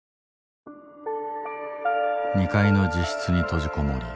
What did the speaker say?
２階の自室に閉じこもり